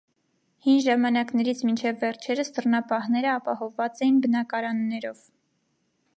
Հին ժամանակներից մինչև վերջերս դռնապահները ապահովված էին բնակարաններով։